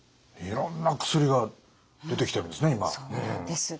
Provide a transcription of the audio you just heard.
いろんな薬が出てきてるんですね